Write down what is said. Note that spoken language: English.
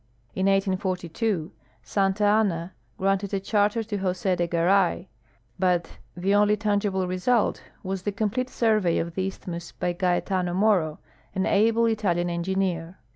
In 1842 Santa Anna granted a charter to Jose de Garay, but the only tangible result was the complete survey of the isthmus by Gaetano iNIoro, an able Italian engineer.